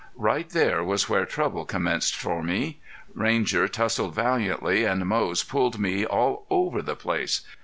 Right there was where trouble commenced for me. Ranger tussled valiantly and Moze pulled me all over the place.